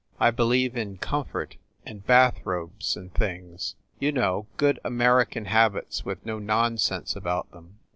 I believe in comfort and bath robes and things you know, good American habits with no nonsense about them.